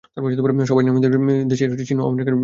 সবাই নামীদামি দেশের নাম করে চীন থেকে আনা পণ্য বিক্রি করেন।